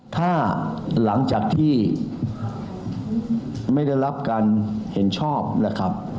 ถ้าหลังจากที่ไม่ได้รับการเห็นชอบนะครับ